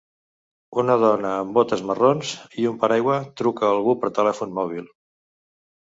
Una dona amb botes marrons i un paraigua truca algú pel telèfon mòbil.